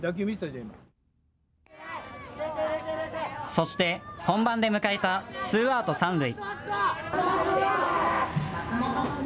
そして本番で迎えたツーアウト三塁。